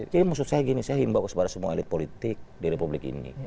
maksud saya gini saya himbau kepada semua elit politik di republik ini